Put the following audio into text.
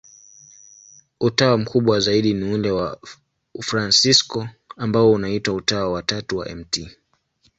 Utawa mkubwa zaidi ni ule wa Wafransisko, ambao unaitwa Utawa wa Tatu wa Mt.